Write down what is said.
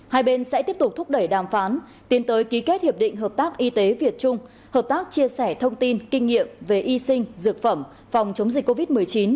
hai bên sẽ tiếp tục thúc đẩy đàm phán tiến tới ký kết hiệp định hợp tác y tế việt trung hợp tác chia sẻ thông tin kinh nghiệm về y sinh dược phẩm phòng chống dịch covid một mươi chín